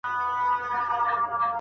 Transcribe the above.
آیا سانتي متر تر متر لنډ دی؟